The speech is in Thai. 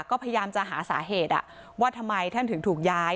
ก็พยายามจะหาสาเหตุว่าทำไมท่านถึงถูกย้าย